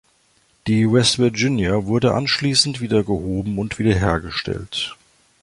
Die "West Virginia" wurde anschließend wieder gehoben und wiederhergestellt.